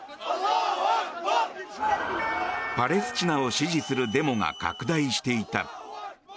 パレスチナを支持するデモが拡大していた。